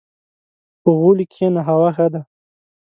• په غولي کښېنه، هوا ښه ده.